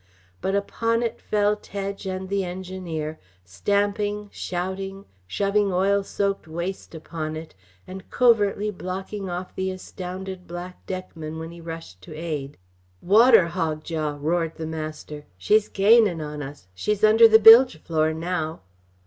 But upon it fell Tedge and the engineer, stamping, shouting, shoving oil soaked waste upon it, and covertly blocking off the astounded black deckman when he rushed to aid. "Water, Hogjaw!" roared the master. "She's gainin' on us she's under the bilge floor now!"